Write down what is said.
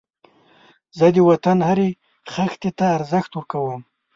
زه د وطن هرې خښتې ته ارزښت ورکوم